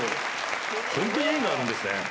ホントに縁があるんですね。